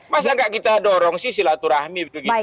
masa nggak kita dorong sih silaturahmi begitu